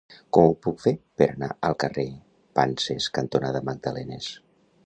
Com ho puc fer per anar al carrer Panses cantonada Magdalenes?